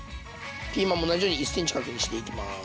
ピーマンも同じように１ｃｍ角にしていきます。